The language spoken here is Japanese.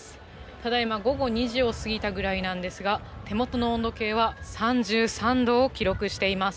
ただ今、午後２時を過ぎたくらいなんですが手元の温度計は３３度を記録しています。